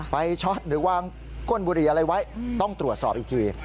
ช็อตหรือวางก้นบุหรี่อะไรไว้ต้องตรวจสอบอีกที